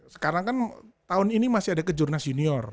sekarang kan tahun ini masih ada kejurnas junior